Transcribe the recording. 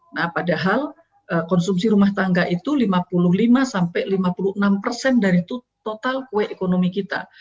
nah padahal konsumsi rumah tangga itu lima puluh lima sampai lima puluh enam persen dari total kue ekonomi kita